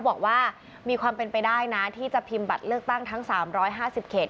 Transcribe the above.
บอกว่ามีความเป็นไปได้นะที่จะพิมพ์บัตรเลือกตั้งทั้ง๓๕๐เขต